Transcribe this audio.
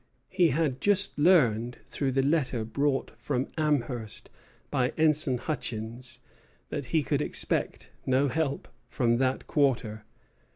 He had just learned, through the letter brought from Amherst by Ensign Hutchins, that he could expect no help from that quarter.